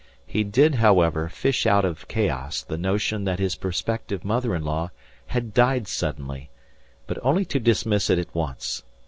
He did, however, fish out of chaos the notion that his prospective mother in law had died suddenly, but only to dismiss it at once.